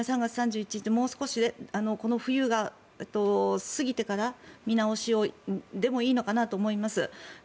もう少し、この冬が過ぎてから見直しでもいいのかなと思います。